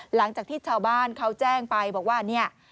หลังจากที่ชาวบ้านเขาแจ้งไปบอกว่าเนี่ย